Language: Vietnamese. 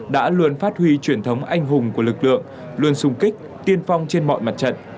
đã luôn phát huy truyền thống anh hùng của lực lượng luôn sung kích tiên phong trên mọi mặt trận